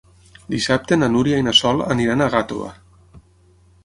Dissabte na Núria i na Sol aniran a Gàtova.